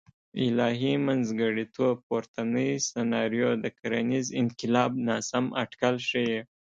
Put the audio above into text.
الهي منځګړیتوب پورتنۍ سناریو د کرنیز انقلاب ناسم اټکل ښیي.